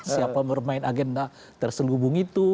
siapa bermain agenda terselubung itu